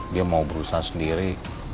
dia mau berusaha sendiri